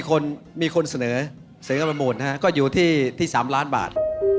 ก็มีคนเสนอกับประหมูลฮะก็อยู่ที่๓ล้านบาท